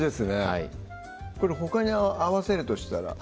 はいこれほかに合わせるとしたら？